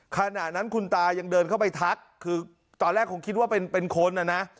ขณะนั้นคุณตายังเดินเข้าไปทักคือตอนแรกคงคิดว่าเป็นคนนะนะ